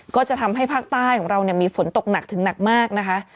ก็จะทำให้ภาคใต้ของเรามีฝนตกหนักถึงหนักมากนะคะ